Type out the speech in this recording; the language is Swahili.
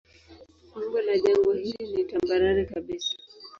Umbo la jangwa hili ni tambarare kabisa.